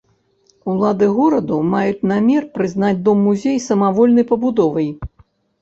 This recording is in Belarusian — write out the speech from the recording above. Улады гораду маюць намер прызнаць дом-музей самавольнай пабудовай.